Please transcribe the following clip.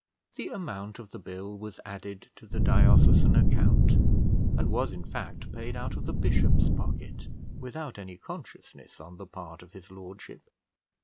The amount of the bill was added to the diocesan account, and was, in fact, paid out of the bishop's pocket, without any consciousness on the part of his lordship.